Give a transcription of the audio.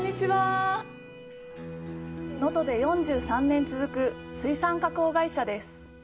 能登で４３年続く水産加工会社です。